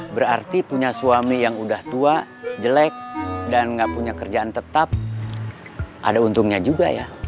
berarti punya suami yang udah tua jelek dan nggak punya kerjaan tetap ada untungnya juga ya